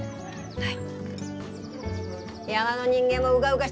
はい。